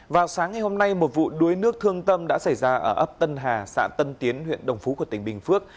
vào sáng ngày hôm nay một vụ đuối nước thương tâm đã xảy ra ở ấp tân hà xã tân tiến huyện đồng phú của tỉnh bình phước